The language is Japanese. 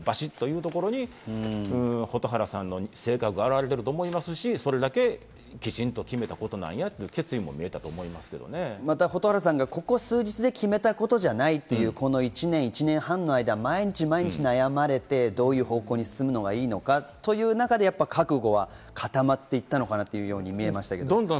自分の意見でバシっというところに蛍原さんの性格が表れていると思いますし、それだけきちんと決めたことなんやといここ数日で決めたことじゃないと、１年半の間、毎日悩まれてどういう方向に進むのがいいのかという中で覚悟は固まっていたのかなと見ました。